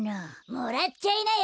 ・もらっちゃいなよ！